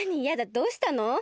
やだどうしたの？